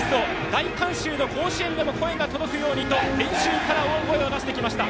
大観衆の甲子園でも声が届くようにと練習から大声を出してきました。